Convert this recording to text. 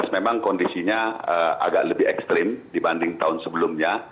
dua ribu delapan belas memang kondisinya agak lebih ekstrim dibanding tahun sebelumnya